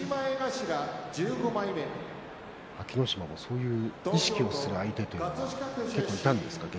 安芸乃島もそういう意識をする相手というのがいたんですか？